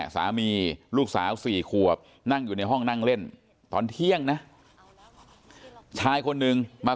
สามีลูกสาว๔ขวบนั่งอยู่ในห้องนั่งเล่นตอนเที่ยงนะชายคนนึงมา